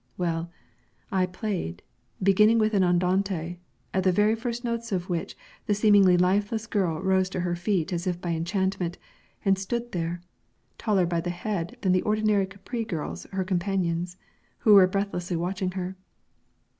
Well, I played, beginning with an andante, at the very first notes of which the seemingly lifeless girl rose to her feet as if by enchantment, and stood there, taller by the head than the ordinary Capri girls her companions, who were breathlessly watching her.